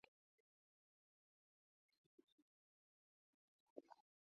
Animatu eta bidali zure bideo-iruzkina!